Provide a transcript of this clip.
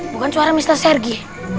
bukan suara mister sergi